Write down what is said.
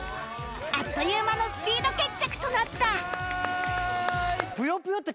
あっという間のスピード決着となった